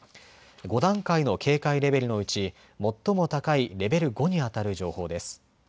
５段階の警戒レベルのうち最も高いレベル５にあたる情報です。